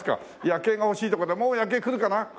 夜景が欲しいとこでもう夜景くるかな？